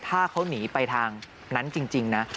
ถ้าเขาหนีไปทางนั้นจริงนะ